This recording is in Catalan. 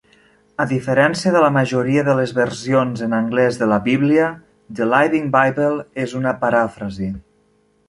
A diferència de la majoria de les versions en anglès de la Bíblia, "The Living Bible" és una paràfrasi.